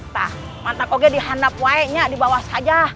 nah mantap oke di handap wae nya di bawah saja